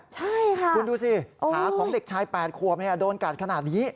ใช่ค่ะคุณดูสิขาของเด็กชาย๘ขวบโดนกัดขนาดนี้